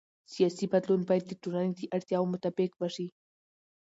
سیاسي بدلون باید د ټولنې د اړتیاوو مطابق وشي